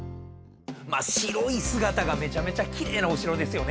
白い姿がめちゃめちゃ奇麗なお城ですよね。